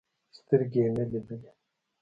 سترګې يې نه لیدلې.